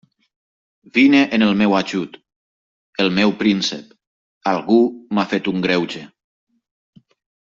Vine en el meu ajut, el meu príncep, algú m'ha fet un greuge.